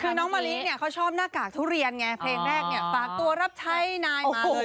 คือน้องมะลิเขาชอบหน้ากากทุเรียนไงเพลงแรกฟักตัวรับใช้ให้นายมาเลย